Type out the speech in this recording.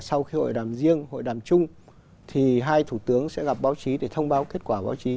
sau khi hội đàm riêng hội đàm chung thì hai thủ tướng sẽ gặp báo chí để thông báo kết quả báo chí